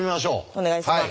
お願いします。